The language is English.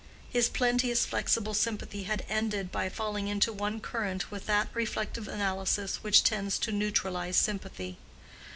His plenteous, flexible sympathy had ended by falling into one current with that reflective analysis which tends to neutralize sympathy.